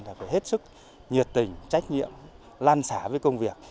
là phải hết sức nhiệt tình trách nhiệm lan xả với công việc